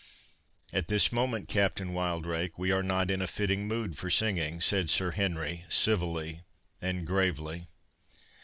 "At this moment, Captain Wildrake, we are not in a fitting mood for singing," said Sir Henry, civilly and gravely.